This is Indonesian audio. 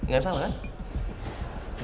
gak salah kan